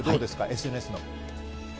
ＳＮＳの。